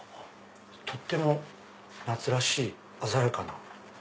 とっても夏らしい鮮やかな。